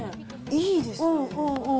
いいですね。